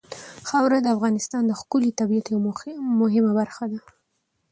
خاوره د افغانستان د ښکلي طبیعت یوه مهمه برخه ده.